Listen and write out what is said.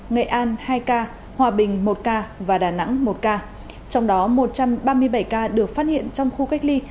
nghệ an hai ca hòa bình một ca và đà nẵng một ca trong đó một trăm ba mươi bảy ca được phát hiện trong khu cách ly